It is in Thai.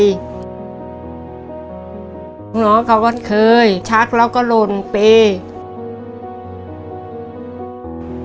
น้องเขาก็เคยชักแล้วก็ลนเปรี้ยว